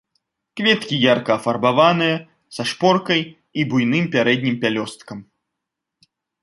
Кветкі ярка афарбаваныя, са шпоркай і буйным пярэднім пялёсткам.